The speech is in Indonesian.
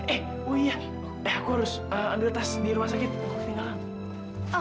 eh oh iya aku harus ada tas di rumah sakit aku tinggalin